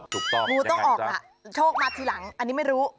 ถูกต้องอย่างไรจ๊ะงูต้องออกล่ะโชคมาทีหลังอันนี้ไม่รู้